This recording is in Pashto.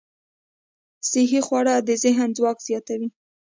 صحي خواړه د ذهن ځواک زیاتوي.